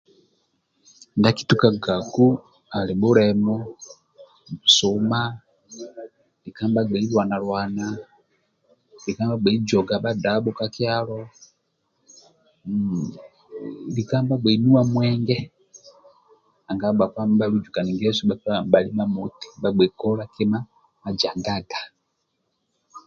Ndia akitukagaku ali bhulemo, bhusuma, lika nibhagbei lwana-lwana, lika nibhagbei joga bhadabho ka kyalo mm lika nibhagbei nuwa mwenge nanga bhakpa ndibhalujukani ngeso bhakilikaga nibhali mamoti nibhagbei kola kima majangaga.